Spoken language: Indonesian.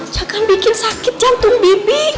jangan bikin sakit jantung bibi